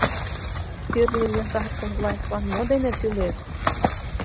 Тӱрлӧ йозакым властьлан мо дене тӱлет?